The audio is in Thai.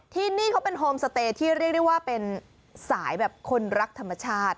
ที่นี่เขาเป็นโฮมสเตย์ที่เรียกได้ว่าเป็นสายแบบคนรักธรรมชาติ